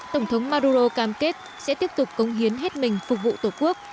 tổng thống maduro cam kết sẽ tiếp tục cống hiến hết mình phục vụ tổ quốc